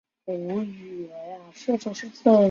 找到散发出的香甜水果味！